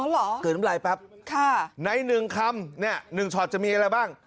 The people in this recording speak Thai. อ๋อเหรอค่ะในหนึ่งคำหนึ่งชอบจะมีอะไรบ้าง